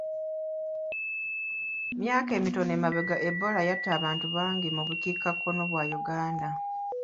Myaka mitono emabega Ebola yatta abantu bangi mu bukiikakkono bwa Uganda.